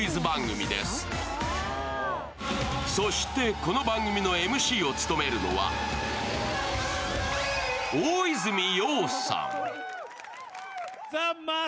この番組をＭＣを務めるのは、大泉洋さん。